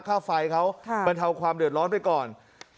ข้าวไฟเขามาเถาความเดิดร้อนไปก่อน